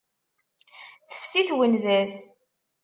Tefsi twenza-s.